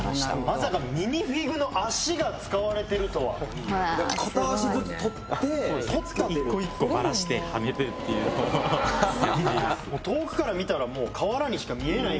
まさかミニフィグの足が使われてるとは・一個一個バラしてはめるっていう・遠くから見たらもう瓦にしか見えない・